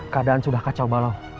keadaan sudah kacau balau